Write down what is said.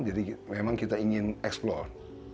jadi memang kita ingin eksplor